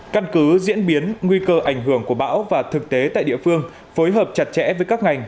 căn cứ diễn biến nguy cơ ảnh hưởng của bão và thực tế tại địa phương phối hợp chặt chẽ với các ngành